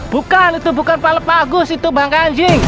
bukan itu bukan kepala pak agus itu bangke anjing